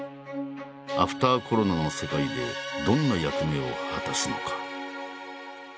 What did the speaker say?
アフターコロナの世界でどんな役目を果たすのか。